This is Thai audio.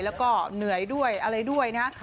แล้วก็เหนื่อยด้วยอะไรด้วยนะ